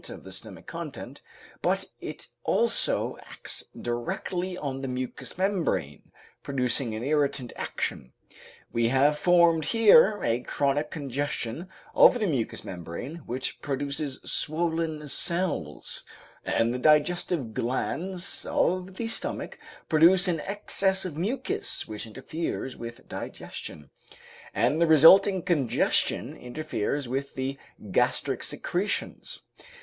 of the stomach content, but it also acts directly on the mucous membrane, producing an irritant action. We have formed here a chronic congestion of the mucous membrane which produces swollen cells, and the digestive glands of the stomach produce an excess of mucus which interferes with digestion, and the resulting congestion interferes with the gastric secretions.